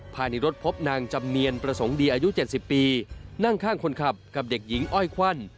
ภายในรถพบนางจำเนียนประสงค์ดีอายุ๗๐ปีนั่งข้างคนขับกับเด็กหญิงอ้อยควั่น